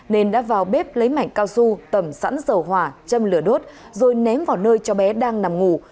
nên đã vào bếp lấy mảnh cao su tẩm sẵn dầu hỏa châm lửa đốt rồi ném vào nơi cho bé đang nằm ngủ